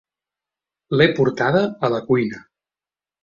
L'he portada a la cuina.